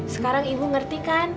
sekarang ibu ngerti kan